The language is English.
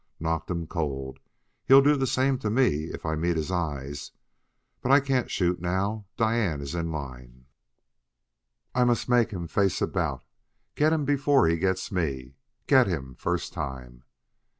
"Knocked 'em cold! He'll do the same to me if I meet his eyes. But I can't shoot now; Diane's in line. I must take him face about; get him before he gets me get him first time!"